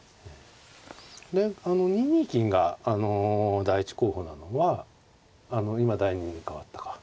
で２二金があの第１候補なのは今第２に変わったか。